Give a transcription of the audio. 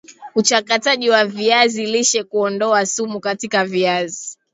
uchakataji wa viazi lishe Kuondoa sumu katika viazi